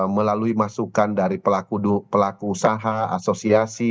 melalui masukan dari pelaku usaha asosiasi